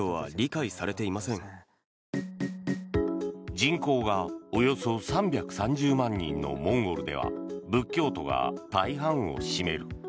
人口がおよそ３３０万人のモンゴルでは仏教徒が大半を占める。